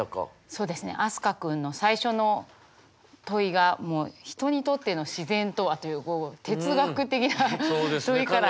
そうですね飛鳥君の最初の問いがもう「人にとっての自然とは？」というこう哲学的な問いから始まって。